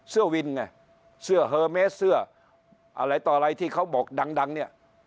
เสื้อวินไงเสื้อเฮอร์เมสเสื้ออะไรต่ออะไรที่เขาบอกดังเนี่ย